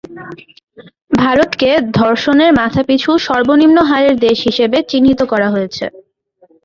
ভারতকে "ধর্ষণের মাথাপিছু সর্বনিম্ন হারের দেশ" হিসাবে চিহ্নিত করা হয়েছে।